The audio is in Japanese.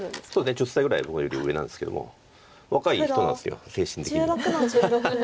１０歳ぐらい僕より上なんですけども若い人なんです精神的に。